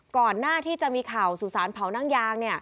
ก่อนหน้าที่จะมีข่าวสุสานเผานั่งยาง